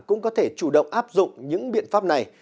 cũng có thể chủ động áp dụng những biện pháp này